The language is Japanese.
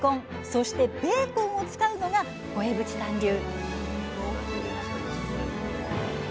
そしてベーコンを使うのが五江渕さん流！